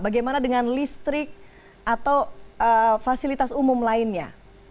bagaimana dengan listrik atau fasilitas umum lainnya